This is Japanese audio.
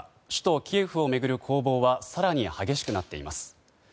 首都キエフを巡る攻防は更に、激しくなっています。